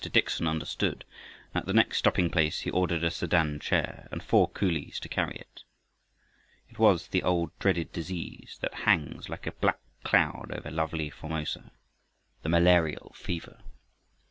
Dickson understood, and at the next stopping place he ordered a sedan chair and four coolies to carry it. It was the old dreaded disease that hangs like a black cloud over lovely Formosa, the malarial fever. Mr.